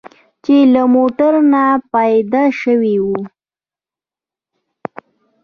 چې له موټر نه پیاده شوي وو.